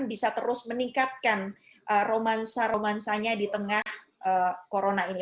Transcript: bisa terus meningkatkan romansa romansanya di tengah corona ini